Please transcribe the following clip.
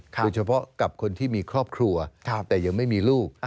โดยเฉพาะกับคนที่มีครอบครัวแต่ยังไม่มีลูก